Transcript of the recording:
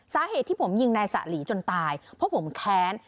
สาเหตุที่ผมยิงนายสะหลีจนตายเพราะผมแค้น